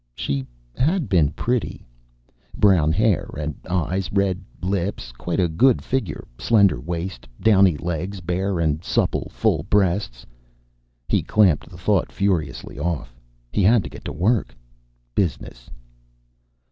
She had been pretty. Brown hair and eyes, deep red lips. Quite a good figure. Slender waist, downy legs, bare and supple, full breasts . He clamped the thought furiously off. He had to get to work. Business.